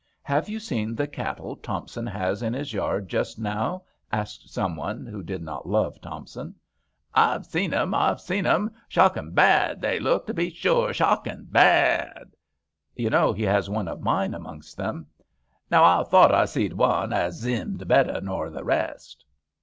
" Have you seen the cattle Thompson has in his yard just now ?" asked someone who did not love Thompson. Fve a seen 'um ! Fve a seen 'um 1 shockun* baad they look, to be shure ; shockun* baad." You know he has one of mine amongst them .?" Now, I thowt I zeed won as zimmed better nor the rest."